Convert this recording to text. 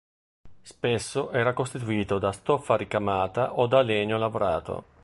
Spesso era costituito da stoffa ricamata o da legno lavorato.